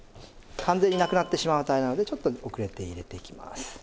完全になくなってしまうとあれなのでちょっと遅れて入れていきます。